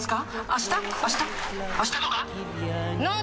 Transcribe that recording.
あしたとか？